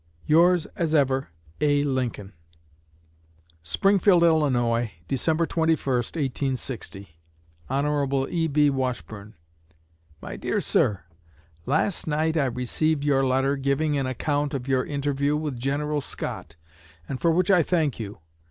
Yours as ever, A. LINCOLN. SPRINGFIELD, ILL., Dec. 21, 1860. HON. E.B. WASHBURNE My Dear Sir: Last night I received your letter giving an account of your interview with General Scott, and for which I thank you.